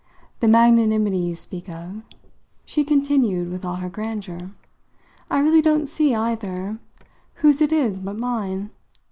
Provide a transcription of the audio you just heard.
The magnanimity you speak of," she continued with all her grandeur "I really don't see, either, whose it is but mine.